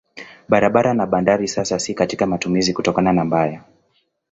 Barabara na bandari sasa si katika matumizi kutokana na mbaya.